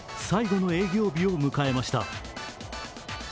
最後の営業日を迎えました。